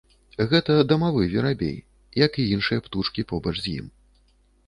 Гэта дамавы верабей, як і іншыя птушкі побач з ім.